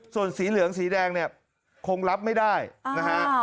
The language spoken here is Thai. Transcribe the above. ส่วนสีเหลืองสีแดงเนี่ยคงรับไม่ได้นะฮะ